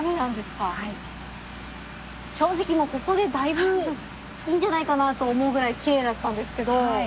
正直ここでだいぶいいんじゃないかなと思うぐらいきれいだったんですけど。